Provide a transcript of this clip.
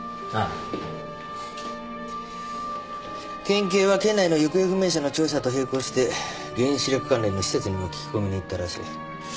県警は県内の行方不明者の調査と並行して原子力関連の施設にも聞き込みに行ったらしい。